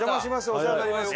お世話になります。